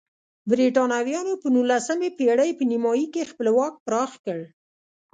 برېټانویانو په نولسمې پېړۍ په نیمایي کې خپل واک پراخ کړ.